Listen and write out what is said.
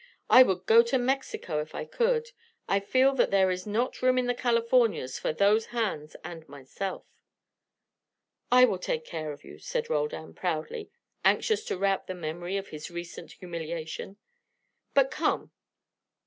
I would go to Mexico if I could. I feel that there is not room in the Californias for those hands and myself." "I will take care of you," said Roldan, proudly, anxious to rout the memory of his recent humiliation. "But come."